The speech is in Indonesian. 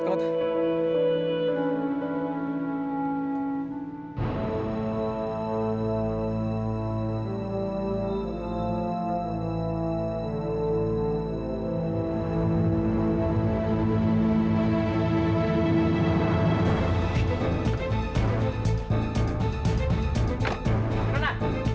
suka ini pak mama